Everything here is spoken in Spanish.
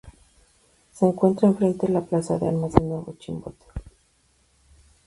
Se encuentra en frente la plaza de armas de Nuevo Chimbote.